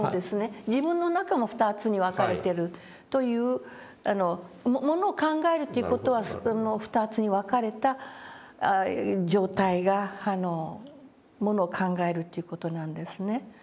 自分の中も２つに分かれてるというものを考えるっていう事は２つに分かれた状態がものを考えるという事なんですね。